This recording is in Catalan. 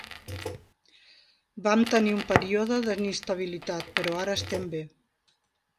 Vam tenir un període d'inestabilitat, però ara estem bé.